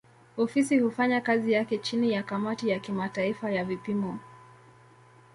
Ofisi hufanya kazi yake chini ya kamati ya kimataifa ya vipimo.